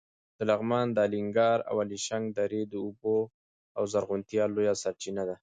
د لغمان د الینګار او الیشنګ درې د اوبو او زرغونتیا لویه سرچینه ده.